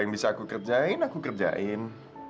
yang bisa aku kerjain aku kerjain